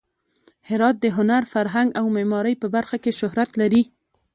هرات د هنر، فرهنګ او معمارۍ په برخه کې شهرت لري.